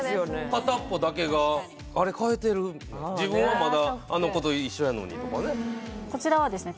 片っぽだけが自分はまだあの子と一緒やのにとかねこちらはですね